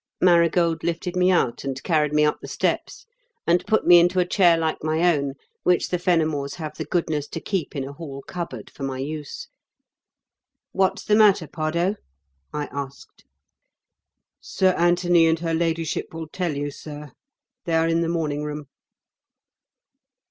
Marigold lifted me out and carried me up the steps and put me into a chair like my own which the Fenimores have the goodness to keep in a hall cupboard for my use. "What's the matter, Pardoe?" I asked. "Sir Anthony and her ladyship will tell you, sir. They're in the morning room."